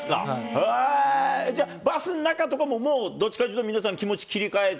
へー、じゃあ、バスの中とか、もうどっちかというと皆さん、気持ち切り替えて。